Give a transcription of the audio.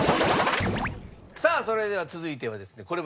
さあそれでは続いてはですね